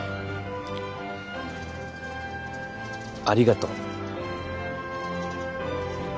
ありがとう。